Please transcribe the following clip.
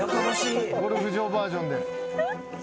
ゴルフ場バージョンで。